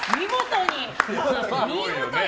見事に！